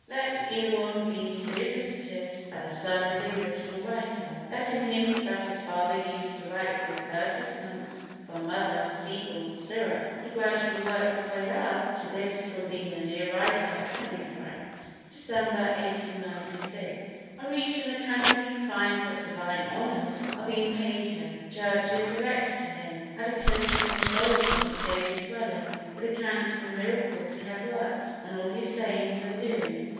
Let Erewhon be revisited by the son of the original writer—let him hint that his father used to write the advertisements for Mother Seigel's Syrup. He gradually worked his way up to this from being a mere writer of penny tracts. [Dec. 1896.] On reaching the country he finds that divine honours are being paid him, churches erected to him, and a copious mythology daily swelling, with accounts of the miracles he had worked and all his sayings and doings.